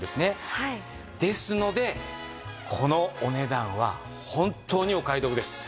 ですのでこのお値段は本当にお買い得です。